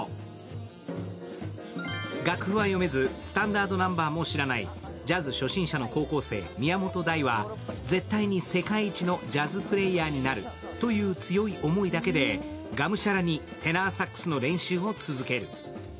楽譜は読めず、スタンダードナンバーも知らない、ジャズ初心者の高校生、宮本大は絶対に世界一のジャズプレーヤーになるという強い思いだけでがむしゃらにテナーサックスの練習を続ける。